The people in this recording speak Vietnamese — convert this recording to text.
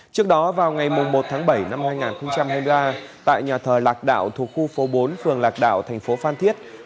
trước đó vào ngày một tháng bảy năm hai nghìn hai mươi ba tại nhà thờ lạc đạo thuộc khu phố bốn phường lạc đạo thành phố phan thiết